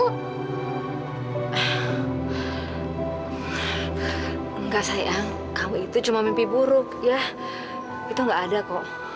tidak sayang kamu itu cuma mimpi buruk ya itu nggak ada kok